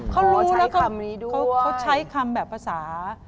เขารู้แล้วเขาใช้คำแบบภาษา